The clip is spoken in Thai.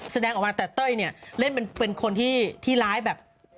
แสดงออกมาแต่เต้ยเนี่ยเล่นเป็นคนที่ร้ายแบบ